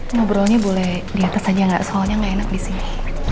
ngobrolnya boleh diatas aja gak soalnya gak enak disini